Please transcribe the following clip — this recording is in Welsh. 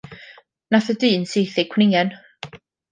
Nath y dyn saethu cwningen.